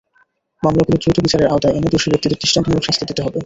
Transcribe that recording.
মামলাগুলো দ্রুত বিচারের আওতায় এনে দোষী ব্যক্তিদের দৃষ্টান্তমূলক শাস্তি দিতে হবে।